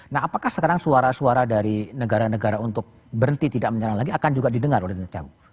nah apakah sekarang suara suara dari negara negara untuk berhenti tidak menyerang lagi akan juga didengar oleh netahu